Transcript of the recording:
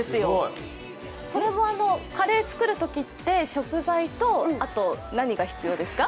それもカレー作るときって、食材とあと何が必要ですか？